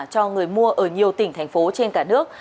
cho người mua ở nhiều tỉnh thành phố trên cả nước